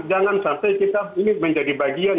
jangan sampai kita ini menjadi bagian